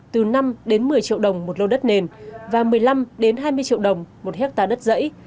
từ năm đến một mươi triệu đồng một lô đất nền và một mươi năm đến hai mươi triệu đồng một hectare đất giấy